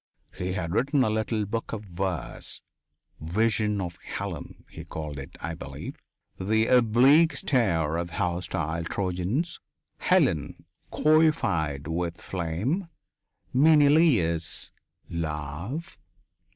He had written a little book of verse, "Vision of Helen," he called it, I believe.... The oblique stare of the hostile Trojans. Helen coifed with flame. Menelaus. Love